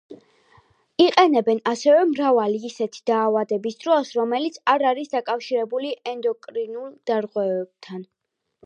იყენებენ ასევე მრავალი ისეთი დაავადების დროს, რომელიც არ არის დაკავშირებული ენდოკრინულ დარღვევებთან.